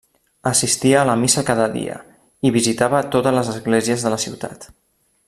Assistia a la missa cada dia, i visitava totes les esglésies de la ciutat.